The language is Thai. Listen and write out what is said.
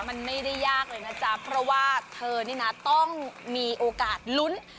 มันไม่ได้ยากเลยนะจ๊ะเพราะว่าเธอนี่นะต้องมีโอกาสลุ้น